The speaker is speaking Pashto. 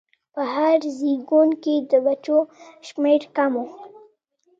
په هر زېږون کې د بچو شمېر کم و.